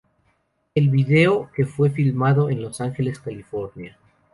El vídeo, que fue filmado en Los Ángeles California.